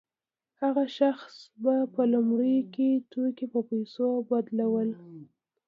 هغه شخص به په لومړیو کې توکي په پیسو بدلول